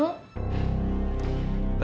gak ada apa apa